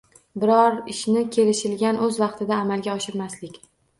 Biron ishni kelishilgan, o‘z vaqtida amalga oshirmaslik